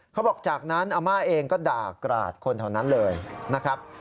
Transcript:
เขาบอกจากนั้นอาม่าเองก็ด่ากราดคนเท่านั้นเลยนะครับ